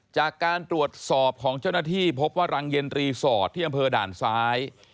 จากการตรวจสอบของเจ้าหน้าที่พบว่ารังเย็นรีสอร์ทที่อำเภอด่านซ้าย